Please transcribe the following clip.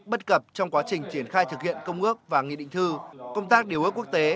bất cập trong quá trình triển khai thực hiện công ước và nghị định thư công tác điều ước quốc tế